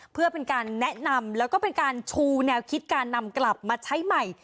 เพื่อเป็นการแนะนำแล้วก็เป็นการชูแนวคิดการนำกลับมาใช้ใหม่